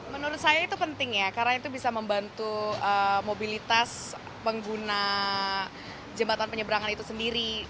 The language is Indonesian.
menurut saya itu penting ya karena itu bisa membantu mobilitas pengguna jembatan penyeberangan itu sendiri